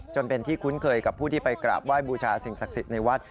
จนเป็นที่คุ้นเคยกับผู้ที่ไปกราบไห้บูชาสิ่งศักดิ์สิทธิ์ในวัด